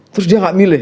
terus dia gak milih